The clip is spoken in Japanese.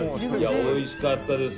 おいしかったです。